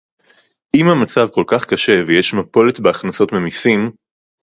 אם המצב כל כך קשה ויש מפולת בהכנסות ממסים